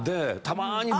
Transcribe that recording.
たまーに